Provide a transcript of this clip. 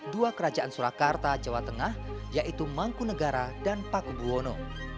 dua kerajaan surakarta jawa tengah yaitu mangkunegara dan pakubuwono